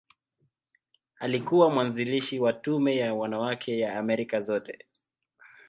Alikuwa mwanzilishi wa Tume ya Wanawake ya Amerika Zote.